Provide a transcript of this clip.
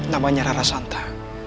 dia adalah kekasihku